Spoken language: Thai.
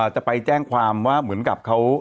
จะไปแจ้งความว่าเหมือนกับเขา